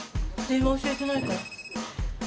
電話教えてないから。